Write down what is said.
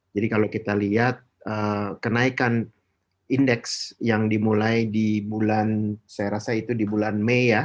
jadi kalau kita lihat kenaikan indeks yang dimulai di bulan saya rasa itu di bulan mei ya